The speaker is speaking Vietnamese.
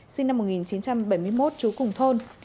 sinh năm một nghìn chín trăm bảy mươi một trú cùng thôn